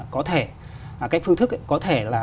có thể cái phương thức có thể là